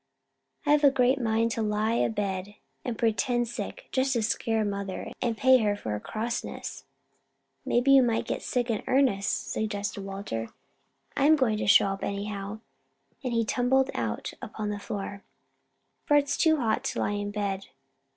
I've a great mind to lie a bed and pretend sick; just to scare mother and pay her off for her crossness." "Maybe you might get sick in earnest," suggested Walter. "I'm going to get up anyhow," and he tumbled out upon the floor, "for it's too hot to lie in bed.